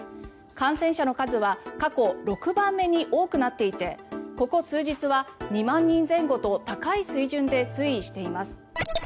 感染者の数は過去６番目に多くなっていてここ数日は２万人前後と高い水準で推移しています。